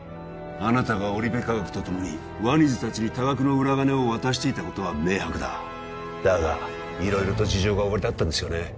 あなたがオリベ化学とともにワニズたちに多額の裏金を渡していたことは明白だだが色々と事情がおありだったんですよね